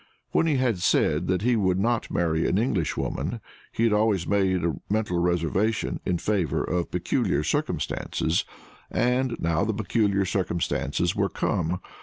When he had said that he would not marry an Englishwoman, he had always made a mental reservation in favor of peculiar circumstances; and now the peculiar circumstances were come.